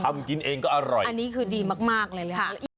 ทำกินเองก็อร่อยอันนี้คือดีมากมากเลยค่ะ